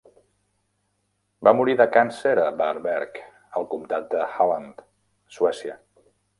Va morir de càncer a Varberg, al Comtat de Halland, Suècia.